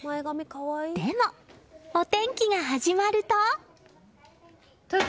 でも、お天気が始まると。